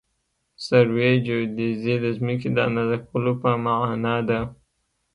سروي جیودیزي د ځمکې د اندازه کولو په مانا ده